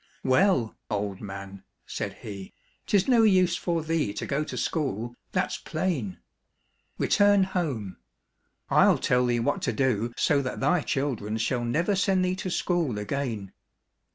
" Well, old man,'* said he, " 'tis no use for thee to go to school, that's plain. Return home. I'll tell thee what to do so that thy children shall never send thee to school again.